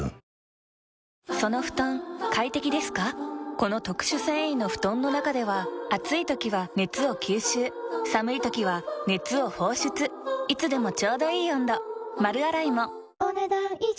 この特殊繊維の布団の中では暑い時は熱を吸収寒い時は熱を放出いつでもちょうどいい温度丸洗いもお、ねだん以上。